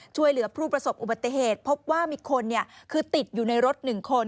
ช่วยเหลือผู้ประสบอุบัติเหตุพบว่ามีคนคือติดอยู่ในรถ๑คน